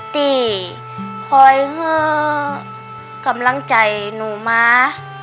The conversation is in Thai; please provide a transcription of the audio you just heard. ที่คอยหากำลังใจหนูมา